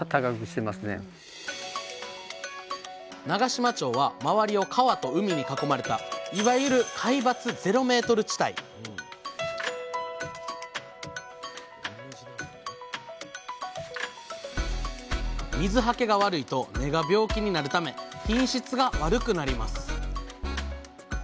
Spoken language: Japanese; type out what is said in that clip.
長島町は周りを川と海に囲まれたいわゆる海抜０ｍ地帯水はけが悪いと根が病気になるため品質が悪くなります。